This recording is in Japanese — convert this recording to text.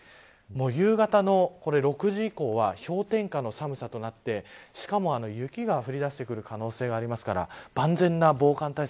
夕方の６時以降は氷点下の寒さとなってしかも雪が降りだしてくる可能性がありますから万全な防寒対策